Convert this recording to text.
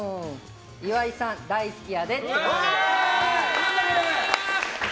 岩井さん大好きやで。